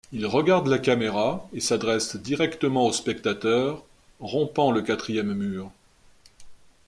Il regarde la caméra et s'adresse directement au spectateur, rompant le quatrième mur.